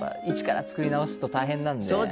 一から作り直すと大変なので。